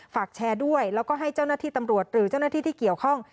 ฝากแชร์ด้วยแล้วก็ให้เจ้าหน้าที่ตำรวจหรือเจ้าหน้าที่ที่เกี่ยวข้อง